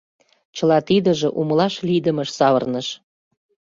Чыла тидыже умылаш лийдымыш савырныш.